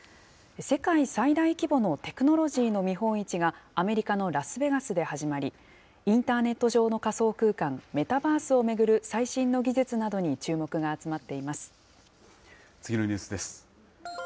世界最大規模のテクノロジーの見本市が、アメリカのラスベガスで始まり、インターネット上の仮想空間、メタバースを巡る最新の技次のニュースです。